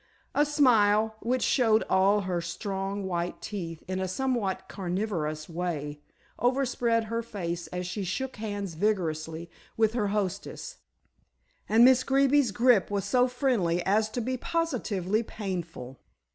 A smile, which showed all her strong white teeth in a somewhat carnivorous way, overspread her face as she shook hands vigorously with her hostess. And Miss Greeby's grip was so friendly as to be positively painful.